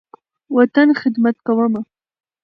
وطن، خدمت کومه